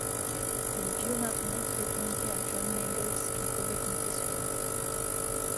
Le vieux marin répondit à John Mangles qu’il pouvait compter sur lui.